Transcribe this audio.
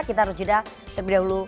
kita harus jeda terlebih dahulu